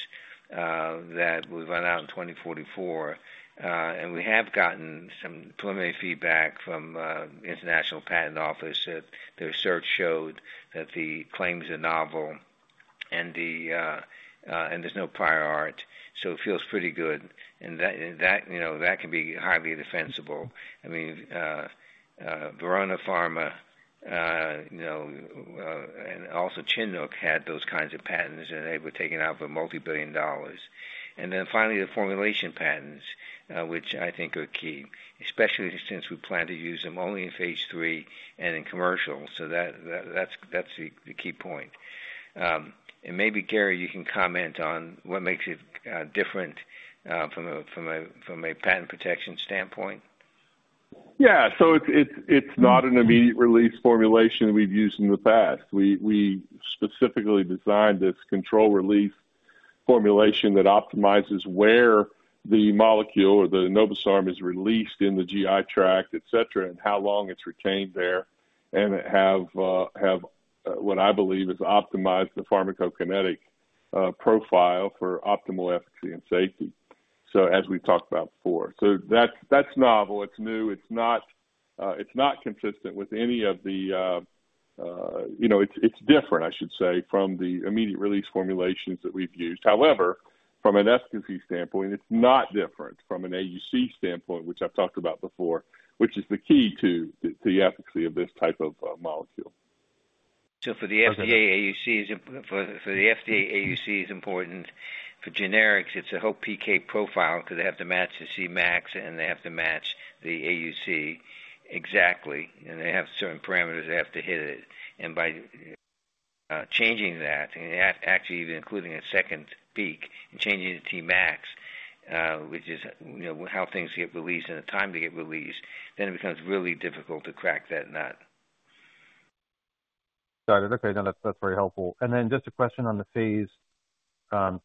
that will run out in 2044. We have gotten some preliminary feedback from the International Patent Office that their search showed that the claims are novel and there's no prior art. It feels pretty good. That can be highly defensible. I mean, Verona Pharma and also Chinook had those kinds of patents, and they were taken out for multibillion dollars. Finally, the formulation patents, which I think are key, especially since we plan to use them only in Phase III and in commercial. That's the key point. Maybe, Gary, you can comment on what makes it different from a patent protection standpoint. Yeah. It's not an immediate release formulation we've used in the past. We specifically designed this controlled release formulation that optimizes where the molecule or the enobosarm is released in the GI tract, etc., and how long it's retained there, and it has what I believe is optimized the pharmacokinetic profile for optimal efficacy and safety. As we've talked about before, that's novel. It's new. It's not consistent with any of the, you know, it's different, I should say, from the immediate release formulations that we've used. However, from an efficacy standpoint, it's not different from an AUC standpoint, which I've talked about before, which is the key to the efficacy of this type of molecule. For the FDA, AUC is important. For generics, it's a whole PK profile because they have to match the Cmax and they have to match the AUC exactly. They have certain parameters they have to hit. By changing that and actually even including a second peak and changing the Tmax, which is how things get released and the time to get released, it becomes really difficult to crack that nut. Got it. Okay. That's very helpful. Just a question on the Phase III.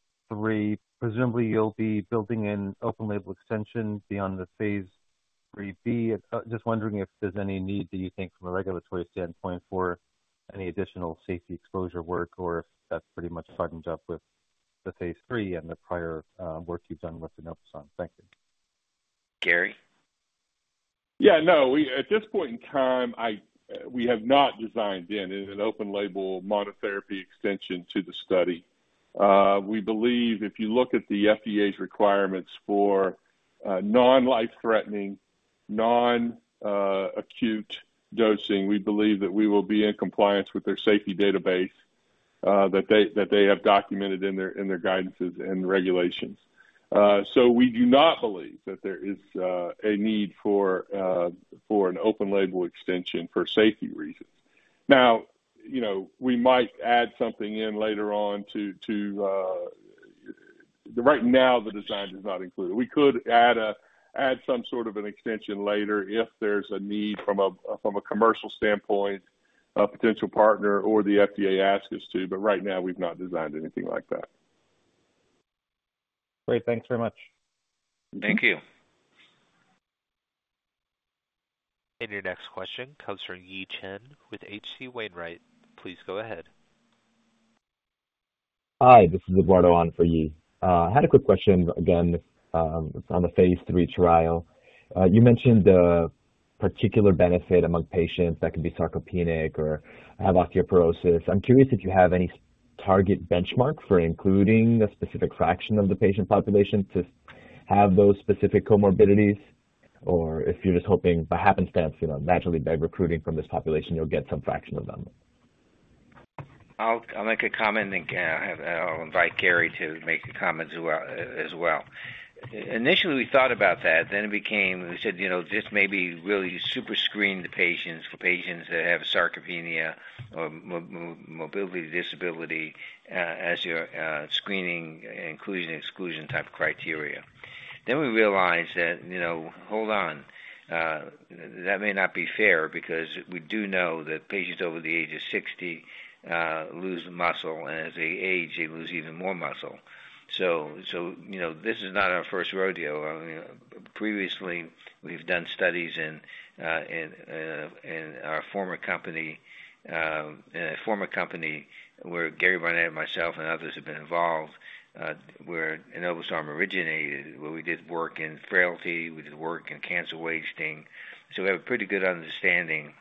Presumably, you'll be building in open-label extension beyond the Phase III-B. Just wondering if there's any need that you think from a regulatory standpoint for any additional safety exposure work or if that's pretty much buttoned up with the Phase III and the prior work you've done with enobosarm. Thank you. Gary? At this point in time, we have not designed in an open-label monotherapy extension to the study. We believe if you look at the FDA's requirements for non-life-threatening, non-acute dosing, we believe that we will be in compliance with their safety database that they have documented in their guidances and regulations. We do not believe that there is a need for an open-label extension for safety reasons. We might add something in later on; right now, the design does not include it. We could add some sort of an extension later if there's a need from a commercial standpoint, a potential partner, or the FDA asks us to. Right now, we've not designed anything like that. Great, thanks very much. Thank you. Your next question comes from Yi Chen with H.C. Wainwright & Co. Please go ahead. Hi. This is Eduardo on for Yi. I had a quick question again. It's on the Phase III trial. You mentioned a particular benefit among patients that can be sarcopenic or have osteoporosis. I'm curious if you have any target benchmark for including a specific fraction of the patient population to have those specific comorbidities, or if you're just hoping by happenstance, you know, naturally by recruiting from this population, you'll get some fraction of them. I'll make a comment, and I'll invite Gary to make a comment as well. Initially, we thought about that. Then it became, we said, you know, this may be really super screened patients for patients that have sarcopenia or mobility disability as your screening inclusion/exclusion type criteria. Then we realized that, you know, hold on. That may not be fair because we do know that patients over the age of 60 lose muscle, and as they age, they lose even more muscle. This is not our first rodeo. Previously, we've done studies in our former company, where Gary Barnette and myself and others have been involved, where enobosarm originated, where we did work in frailty, we did work in cancer wasting. We have a pretty good understanding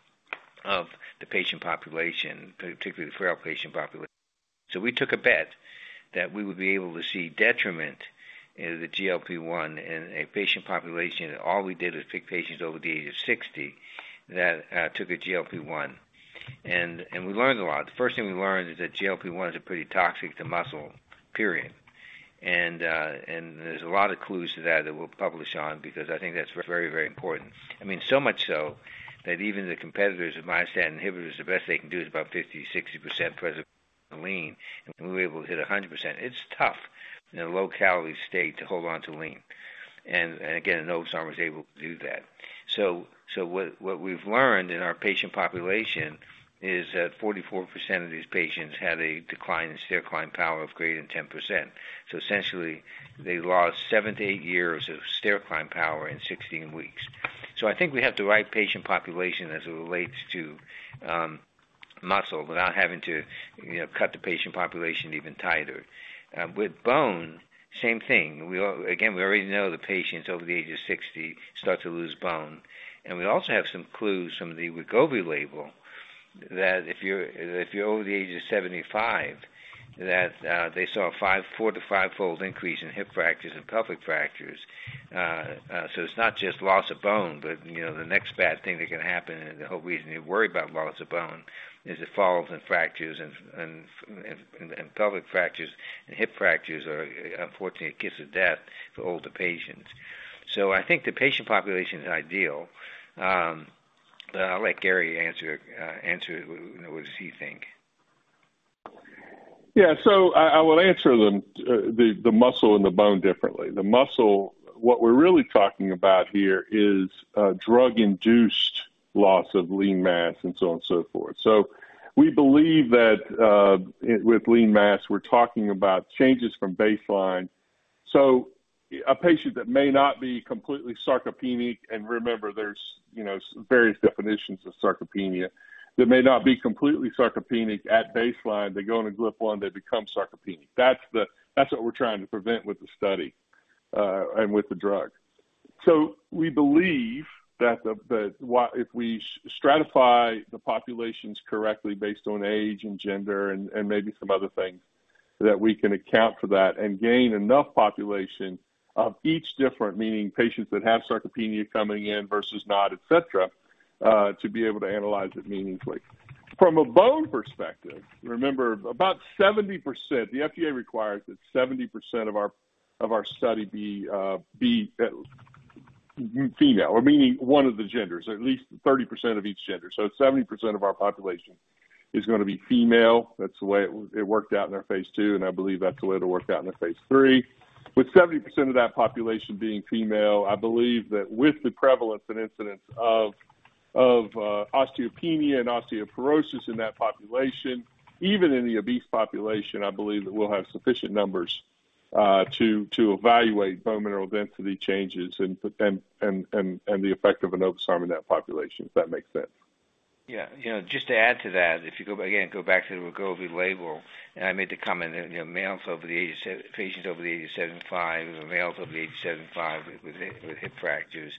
of the patient population, particularly the frail patient population. We took a bet that we would be able to see detriment in the GLP-1 in a patient population that all we did was pick patients over the age of 60 that took a GLP-1. We learned a lot. The first thing we learned is that GLP-1 is pretty toxic to muscle, period. There's a lot of clues to that that we'll publish on because I think that's very, very important. I mean, so much so that even the competitors of myosin inhibitors, the best they can do is about 50% to 60% present lean, and we were able to hit 100%. It's tough in a low-calorie state to hold on to lean. enobosarm was able to do that. What we've learned in our patient population is that 44% of these patients had a decline in stair-climb power of greater than 10%. Essentially, they lost 7-8 years of stair-climb power in 16 weeks. I think we have the right patient population as it relates to muscle without having to cut the patient population even tighter. With bone, same thing. We already know the patients over the age of 60 start to lose bone. We also have some clues from the Wegovy label that if you're over the age of 75, they saw a 4-5x increase in hip fractures and pelvic fractures. It's not just loss of bone, but the next bad thing that can happen, and the whole reason you worry about loss of bone is the falls and fractures and pelvic fractures and hip fractures are, unfortunately, a kiss of death for older patients. I think the patient population is ideal. I'll let Gary answer it in order to see you think. Yeah. I will answer the muscle and the bone differently. The muscle, what we're really talking about here is drug-induced loss of lean mass and so on and so forth. We believe that with lean mass, we're talking about changes from baseline. A patient that may not be completely sarcopenic, and remember, there's various definitions of sarcopenia, that may not be completely sarcopenic at baseline, they go on a GLP-1, they become sarcopenic. That's what we're trying to prevent with the study and with the drug. We believe that if we stratify the populations correctly based on age and gender and maybe some other things, we can account for that and gain enough population of each different, meaning patients that have sarcopenia coming in versus not, etc., to be able to analyze it meaningfully. From a bone perspective, remember, about 70%, the FDA requires that 70% of our study be female, or meaning one of the genders, at least 30% of each gender. 70% of our population is going to be female. That's the way it worked out in our Phase II, and I believe that's the way it'll work out in the Phase III. With 70% of that population being female, I believe that with the prevalence and incidence of osteopenia and osteoporosis in that population, even in the obese population, we'll have sufficient numbers to evaluate bone mineral density changes and the effect of enobosarm in that population, if that makes sense. Yeah. Just to add to that, if you go, again, go back to the Wegovy label, I made the comment that males over the age of 75, patients over the age of 75, males over the age of 75 with hip fractures.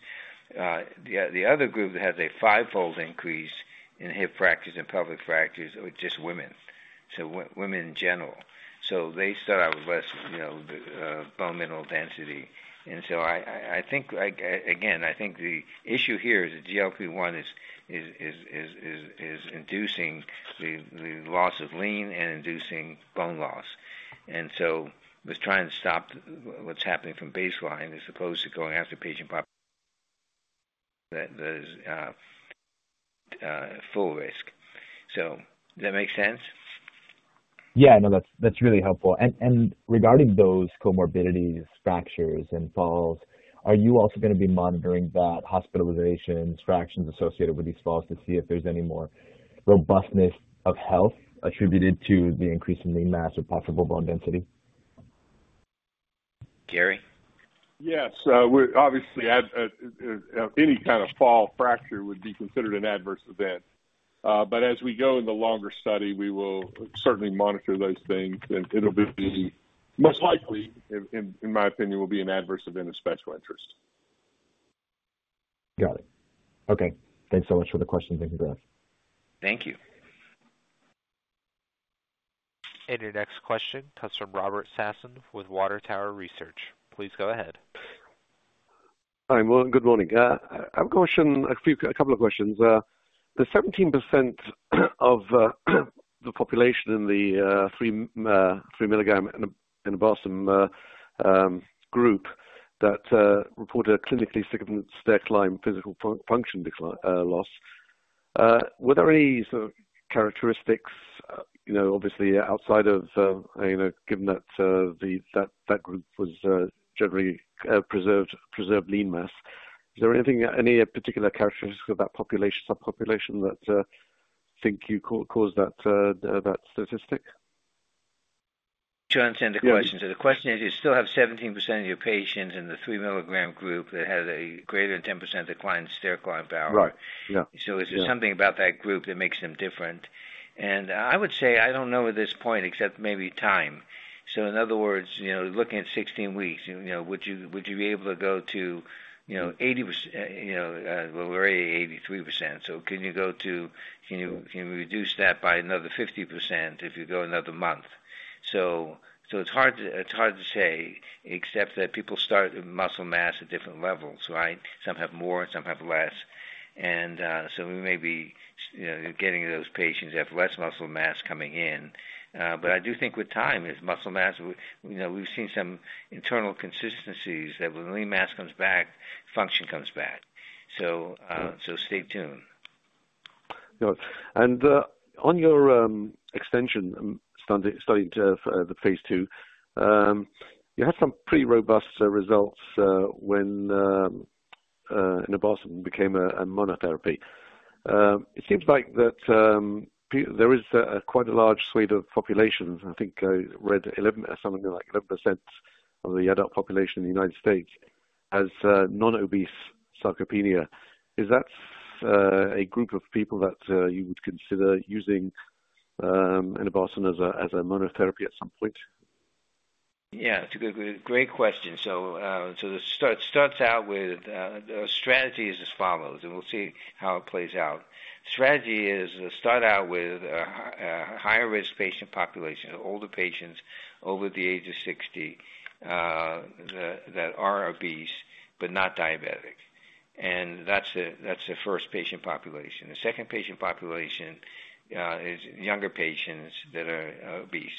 The other group that has a 5x increase in hip fractures and pelvic fractures are just women, women in general. They start out with less bone mineral density. I think the issue here is the GLP-1 is inducing the loss of lean and inducing bone loss. We're trying to stop what's happening from baseline as opposed to going after patients that are full risk. Does that make sense? Yeah, that's really helpful. Regarding those comorbidities, fractures, and falls, are you also going to be monitoring hospitalizations, fractures associated with these falls to see if there's any more robustness of health attributed to the increase in lean mass or possible bone density? Gary? Yes. Obviously, any kind of fall fracture would be considered an adverse event. As we go in the longer study, we will certainly monitor those things, and it'll be most likely, in my opinion, will be an adverse event of special interest. Got it. Okay, thanks so much for the questions and congrats. Thank you. Your next question comes from Robert Sassoon with Water Tower Research. Please go ahead. Hi. Good morning. I have a question, a couple of questions. The 17% of the population in the 3 mg enobosarm group that reported clinically significant stair climb physical function loss, were there any sort of characteristics, you know, obviously outside of, you know, given that that group was generally preserved lean mass? Is there anything, any particular characteristics of that population subpopulation that you think you caused that statistic? To answer the question, the question is you still have 17% of your patients in the 3 mg group that have a greater than 10% decline in stair climb power. Right. Yeah. There is something about that group that makes them different. I would say I don't know at this point except maybe time. In other words, looking at 16 weeks, would you be able to go to 80%? We're already at 83%. Can you reduce that by another 50% if you go another month? It's hard to say except that people start muscle mass at different levels, right? Some have more and some have less. We may be getting those patients who have less muscle mass coming in. I do think with time, as muscle mass, we've seen some internal consistencies that when lean mass comes back, function comes back. Stay tuned. On your extension study for the Phase II, you had some pretty robust results when enobosarm became a monotherapy. It seems like there is quite a large swing of populations. I think I read something like 11% of the adult population in the U.S. has non-obese sarcopenia. Is that a group of people that you would consider using enobosarm as a monotherapy at some point? Yeah. It's a great question. It starts out with the strategy as follows, and we'll see how it plays out. The strategy is to start out with a higher-risk patient population, older patients over the age of 60 that are obese but not diabetic. That's the first patient population. The second patient population is younger patients that are obese.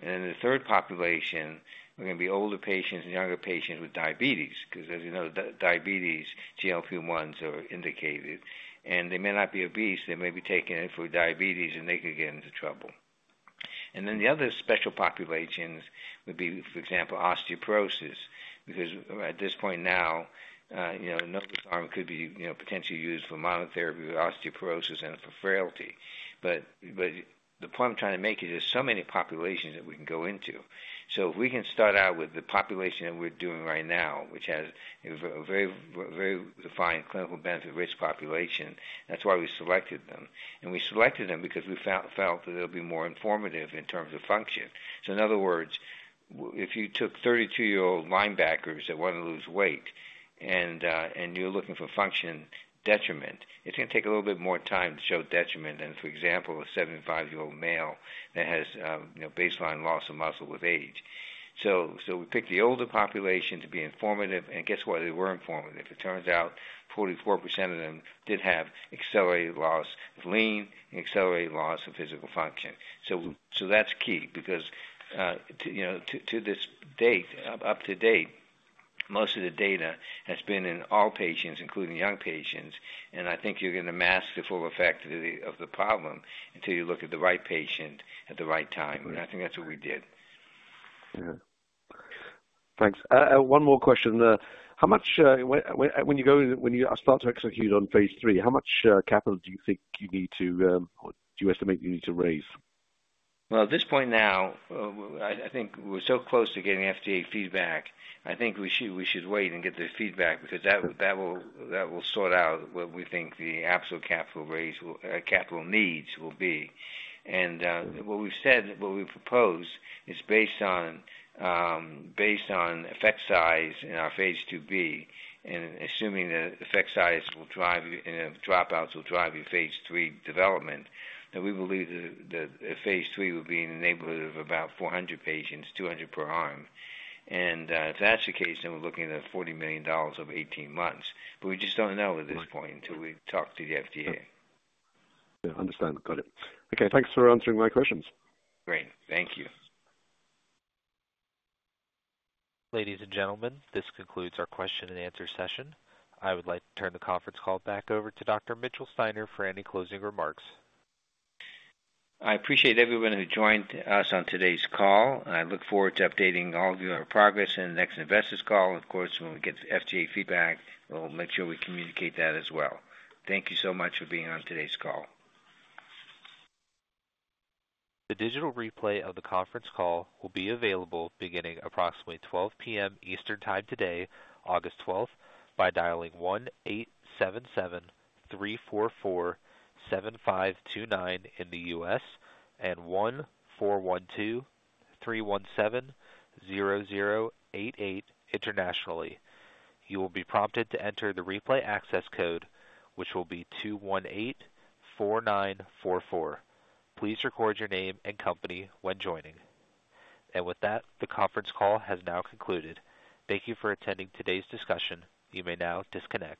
The third population is going to be older patients and younger patients with diabetes because, as you know, diabetes GLP-1s are indicated. They may not be obese. They may be taking it for diabetes, and they could get into trouble. The other special populations would be, for example, osteoporosis because at this point now, enobosarm could be potentially used for monotherapy with osteoporosis and for frailty. The point I'm trying to make is there are so many populations that we can go into. If we can start out with the population that we're doing right now, which has a very, very defined clinical benefit-rich population, that's why we selected them. We selected them because we felt that they'll be more informative in terms of function. In other words, if you took 32-year-old linebackers that want to lose weight and you're looking for function detriment, it's going to take a little bit more time to show detriment than, for example, a 75-year-old male that has baseline loss of muscle with age. We picked the older population to be informative. Guess what? They were informative. It turns out 44% of them did have accelerated loss of lean and accelerated loss of physical function. That's key because, to this date, up to date, most of the data has been in all patients, including young patients. I think you're going to mask the full effect of the problem until you look at the right patient at the right time. I think that's what we did. Thanks. One more question. When you start to execute on Phase III, how much capital do you think you need to, or do you estimate you need to raise? At this point now, I think we're so close to getting FDA feedback. I think we should wait and get the feedback because that will sort out what we think the absolute capital raise will, capital needs will be. What we've said, what we propose is based on effect size in our Phase II-B, and assuming the effect size will drive you, and dropouts will drive your Phase III development, that we believe that Phase III will be in the neighborhood of about 400 patients, 200 per arm. If that's the case, then we're looking at $40 million over 18 months. We just don't know at this point until we talk to the FDA. Yeah, understand. Got it. Okay, thanks for answering my questions. Great. Thank you. Ladies and gentlemen, this concludes our question and answer session. I would like to turn the conference call back over to Dr. Mitchell Steiner for any closing remarks. I appreciate everyone who joined us on today's call. I look forward to updating all of you on our progress in the next Investors Call. When we get FDA feedback, we'll make sure we communicate that as well. Thank you so much for being on today's call. The digital replay of the conference call will be available beginning approximately 12:00 P.M. Eastern Time today, August 12, by dialing 1-877-344-7529 in the U.S. and 1-412-317-0088 internationally. You will be prompted to enter the replay access code, which will be 218-4944. Please record your name and company when joining. And with that, the conference call has now concluded. Thank you for attending today's discussion. You may now disconnect.